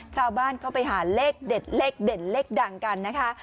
ชาวบ้านเข้าไปหาเลขเด็ดเลขเด่นเลขดังกันนะคะ